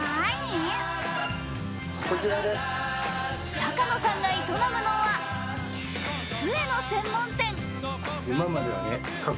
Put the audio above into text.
坂野さんが営むのはつえの専門店。